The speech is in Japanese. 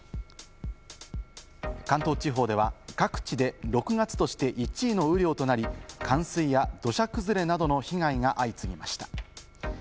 関東地方では各地で６月として１位の雨量となり、冠水や土砂崩れなどの被害が相次ぎました。